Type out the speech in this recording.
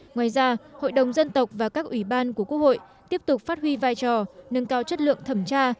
ngoài ra hội đồng dân tộc và các ủy ban của quốc hội tiếp tục phát huy vai trò nâng cao chất lượng thẩm tra